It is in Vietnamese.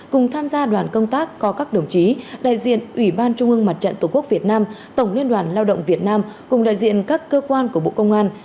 cùng tham gia đoàn công tác có các đồng chí đại diện ủy ban trung ương mặt trận tổ quốc việt nam tổng liên đoàn lao động việt nam cùng đại diện các cơ quan của bộ công an